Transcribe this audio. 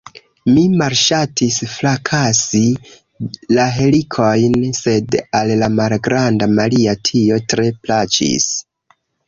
Mi malŝatis frakasi la helikojn, sed al la malgranda Maria tio tre plaĉis.